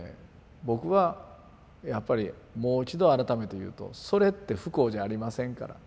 僕はやっぱりもう一度改めて言うとそれって不幸じゃありませんから。